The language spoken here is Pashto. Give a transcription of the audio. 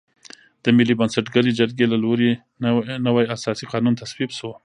د ملي بنسټګرې جرګې له لوري نوی اساسي قانون تصویب شو.